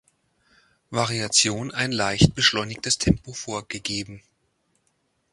Variation ein leicht beschleunigtes Tempo vorgegeben.